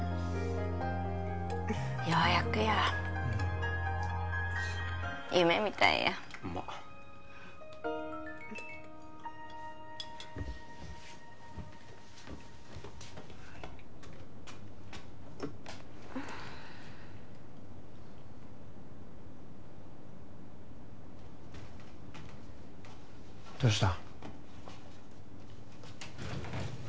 ようやくやうん夢みたいやうまっどうした？